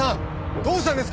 どうしたんですか？